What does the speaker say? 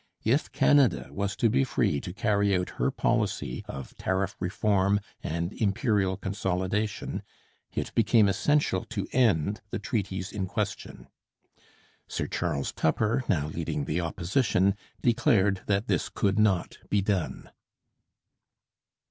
It Canada was to be free to carry out her policy of tariff reform and imperial consolidation, it became essential to end the treaties in question. Sir Charles Tupper, now leading the Opposition, declared that this could not be done.